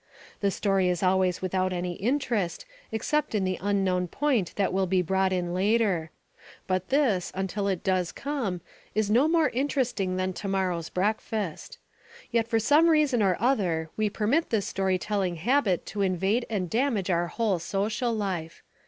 The story is always without any interest except in the unknown point that will be brought in later. But this, until it does come, is no more interesting than to morrow's breakfast. Yet for some reason or other we permit this story telling habit to invade and damage our whole social life.